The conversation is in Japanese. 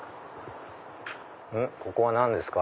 ここは何ですか？